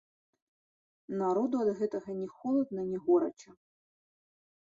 Народу ад гэтага ні холадна, ні горача.